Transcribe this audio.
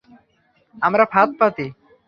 আমরা ফাঁদ পাতি।